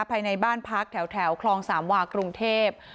ภายในบ้านพักแถวคลองสามวากรุงเทพ